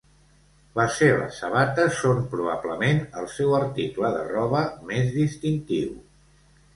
Les seves sabates són probablement el seu article de roba més distintiu.